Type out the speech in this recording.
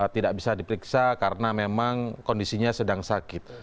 tidak bisa diperiksa karena memang kondisinya sedang sakit